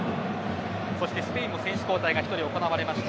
スペインも選手交代が１人行われました。